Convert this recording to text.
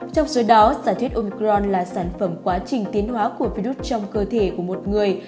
trong số đó giả thuyết omcron là sản phẩm quá trình tiến hóa của virus trong cơ thể của một người